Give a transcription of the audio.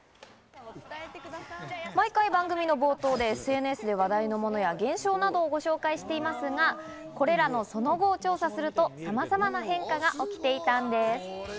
毎回、番組の冒頭でＳＮＳで話題のモノや現象などをご紹介していますが、これらのその後を調査すると、様々な変化が起きていたんです。